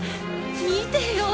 見てよ！